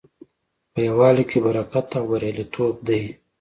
په یووالي کې برکت او بریالیتوب دی.